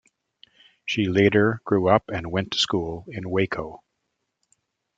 She later grew up and went to school in Waco.